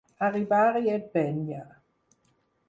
Arribar i empènyer.